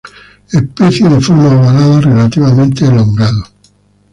Especie de forma ovalada, relativamente elongado.